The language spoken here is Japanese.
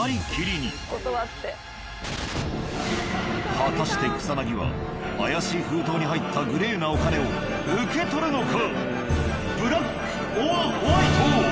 果たして草薙は怪しい封筒に入ったグレーなお金を受け取るのか？